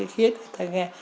khi ta nghe